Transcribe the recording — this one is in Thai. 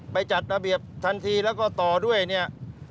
จัดระเบียบทันทีแล้วก็ต่อด้วยเนี่ย